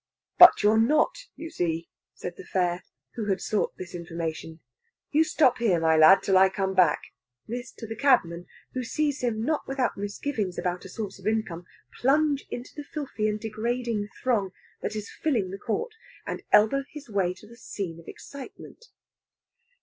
"But you're not, you see!" said the fare, who had sought this information. "You stop here, my lad, till I come back." This to the cabman, who sees him, not without misgivings about a source of income, plunge into the filthy and degraded throng that is filling the court, and elbow his way to the scene of excitement.